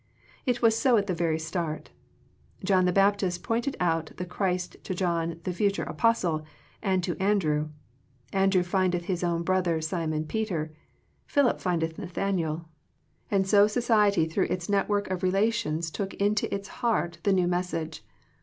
It was so at the very start; John the Baptist pointed out the Christ to John the future Apostle and to An drew; Andrew findeth his own brother Simon Peter; Philip findeth Nathaniel; V Digitized by VjOOQIC THE FRUITS OF FRIENDSHIP and so society through its network of re lations took into its heart the new mes sage.